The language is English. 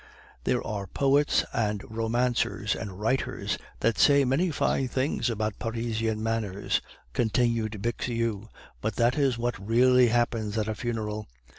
"There are poets and romancers and writers that say many fine things abut Parisian manners," continued Bixiou, "but that is what really happens at a funeral.